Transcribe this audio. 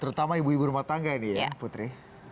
terutama ibu ibu rumah tangga ini ya putri